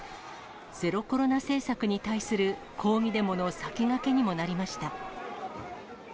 ゼロコロナ政策に対する抗議デモの先駆けにもなりました。